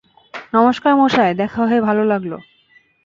নমস্কার মশাই, দেখা হয়ে ভালো লাগল।